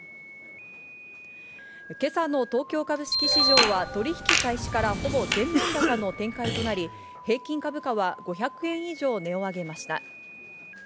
今朝の東京株式市場は取引開始からほぼ全面高の展開となり、平均株価は５００円以上値を上げました。